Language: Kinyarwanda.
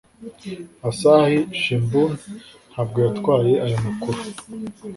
Asahi Shimbun ntabwo yatwaye ayo makuru